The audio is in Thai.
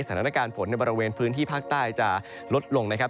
สถานการณ์ฝนในบริเวณพื้นที่ภาคใต้จะลดลงนะครับ